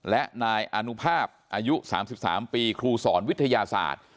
และนายอนุภาพอายุ๓๓ปีครูสอนวิทยาศาสตร์